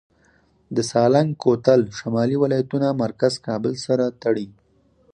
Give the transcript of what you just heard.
د سالنګ کوتل شمالي ولایتونه مرکز کابل سره تړي